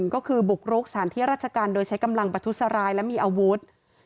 ก็คือบุกรุกสถานที่ราชการโดยใช้กำลังประทุษร้ายและมีอาวุธ